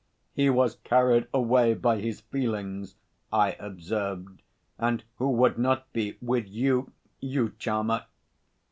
"He was carried away by his feelings!" I observed. "And who would not be with you, you charmer?"